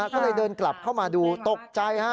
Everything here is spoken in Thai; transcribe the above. ก็เลยเดินกลับเข้ามาดูตกใจฮะ